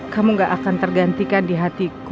kamu gak akan tergantikan di hatiku